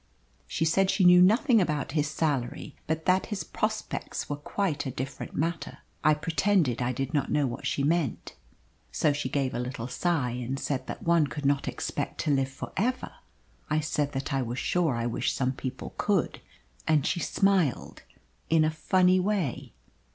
She said she knew nothing about his salary, but that his prospects were quite a different matter. I pretended I did not know what she meant. So she gave a little sigh and said that one could not expect to live for ever. I said that I was sure I wished some people could, and she smiled in a funny way."